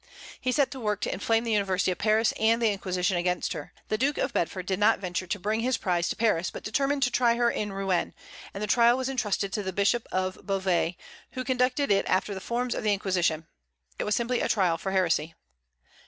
He set to work to inflame the University of Paris and the Inquisition against her. The Duke of Bedford did not venture to bring his prize to Paris, but determined to try her in Rouen; and the trial was intrusted to the Bishop of Beauvais, who conducted it after the forms of the Inquisition. It was simply a trial for heresy.